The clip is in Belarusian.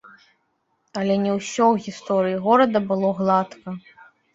Але не ўсе ў гісторыі горада было гладка.